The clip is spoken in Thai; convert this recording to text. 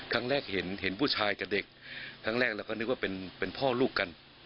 ครั้งแรกเห็นผู้ชายกับเด็กครั้งแรกเราก็นึกว่าเป็นพ่อลูกกัน